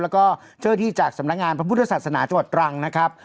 แล้วก็เจ้าหน้าที่จากสำนักงานพระพุทธศาสนาจังหวัดตรังนะครับ